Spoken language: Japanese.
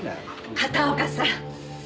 片岡さん！